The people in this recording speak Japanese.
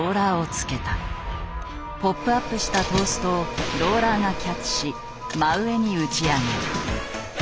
ポップアップしたトーストをローラーがキャッチし真上に打ち上げる。